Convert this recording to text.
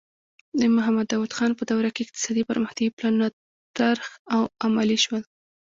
د محمد داؤد خان په دوره کې اقتصادي پرمختیايي پلانونه طرح او عملي شول.